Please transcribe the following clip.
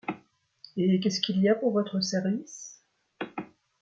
Et qu’est-ce qu’il y a pour votre service ?